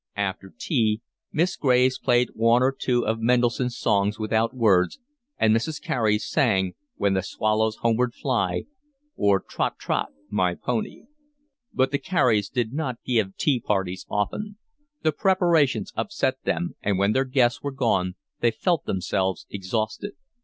After tea Miss Graves played one or two of Mendelssohn's Songs without Words, and Mrs. Carey sang When the Swallows Homeward Fly, or Trot, Trot, My Pony. But the Careys did not give tea parties often; the preparations upset them, and when their guests were gone they felt themselves exhausted.